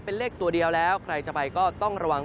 เป็นเลขตัวเดียวแล้วใครจะไปก็ต้องระวัง